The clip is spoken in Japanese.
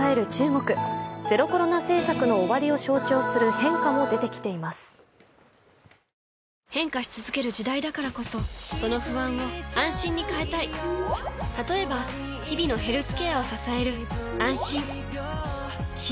変化し続ける時代だからこそその不安を「あんしん」に変えたい例えば日々のヘルスケアを支える「あんしん」